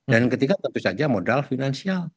dan ketiga tentu saja modal finansial